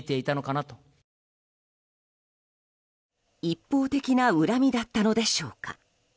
一方的な恨みだったのでしょうか。